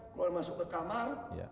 keluar masuk ke kamar